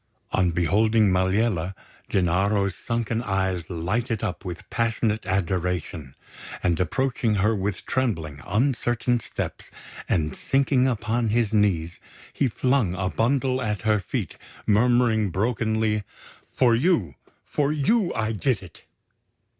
On beholding Maliella, Gennaro's sunken eyes lighted up with passionate adoration; and approaching her with trembling, uncertain steps, and sinking upon his knees, he flung a bundle at her feet, murmuring brokenly: "For you! For you I did it!"